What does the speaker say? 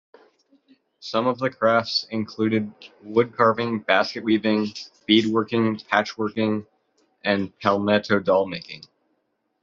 Some of the crafts included woodcarving, basket weaving, beadworking, patchworking, and palmetto-doll making.